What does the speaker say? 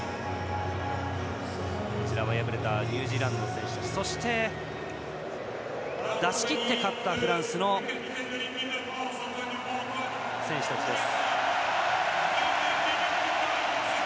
敗れたニュージーランドの選手そして、出し切って勝ったフランスの選手たちです。